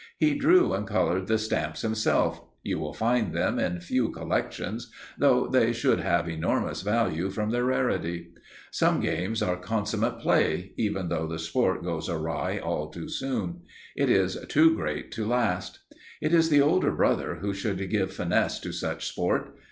He drew and coloured the stamps himself you will find them in few collections, though they should have enormous value from their rarity. Such games are consummate play, even though the sport goes awry all too soon; it is too great to last! It is the older brother who should give finesse to such sport.